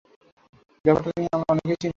ব্যাপারটা নিয়ে আমরা অনেকেই চিন্তিত।